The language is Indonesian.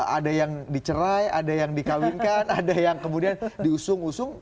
ada yang dicerai ada yang dikawinkan ada yang kemudian diusung usung